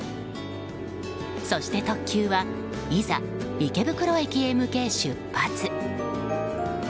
そして特急はいざ池袋駅へ向け出発。